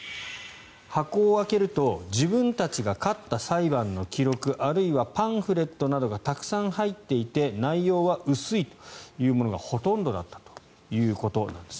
箱を開けると自分たちが勝った裁判の記録あるいはパンフレットなどがたくさん入っていて内容は薄いというものがほとんどだったということです。